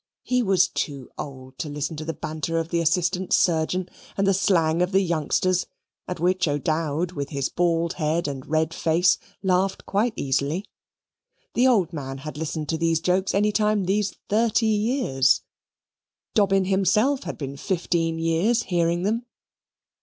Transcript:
He was too old to listen to the banter of the assistant surgeon and the slang of the youngsters, at which old O'Dowd, with his bald head and red face, laughed quite easily. The old man had listened to those jokes any time these thirty years Dobbin himself had been fifteen years hearing them.